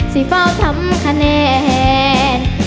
สิเฝ้าทำคะแนน